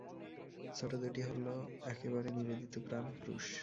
ছোট দুটি হল একেবারে নিবেদিতপ্রাণ পুরুষ।